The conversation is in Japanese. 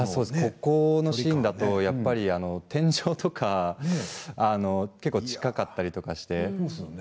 このシーンだと天井とか結構、近かったりとかして。